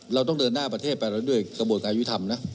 เราต้องเดินหน้าประเทศไปแล้วด้วยกระบวนการยุทธรรมนะ